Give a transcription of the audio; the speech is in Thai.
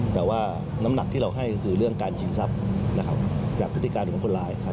แต่ว่าน้ำหนักที่เราให้ก็คือเรื่องการชิงทรัพย์นะครับจากพฤติการของคนร้ายครับ